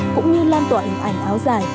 cũng như lan tỏa hình ảnh áo giải